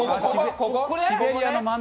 シベリアの真ん中。